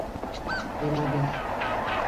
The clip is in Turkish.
Beraber